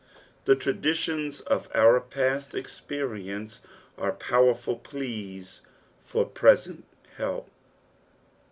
The traditions of our past experience are powerful pleas for present help.